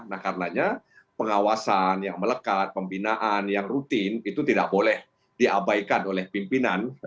nah karenanya pengawasan yang melekat pembinaan yang rutin itu tidak boleh diabaikan oleh pimpinan